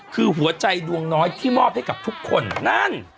คือหัวใจดวงน้อยที่มอบให้กับทุกคนนั่น